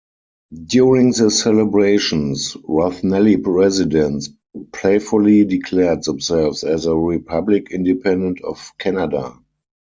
During the celebrations, Rathnelly residents playfully declared themselves as a republic independent of Canada.